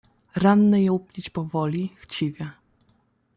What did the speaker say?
"Ranny jął pić powoli, chciwie."